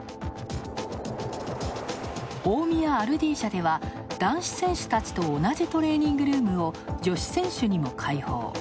大宮アルディージャでは、男子選手たちと同じトレーニングルームを女子選手にも開放。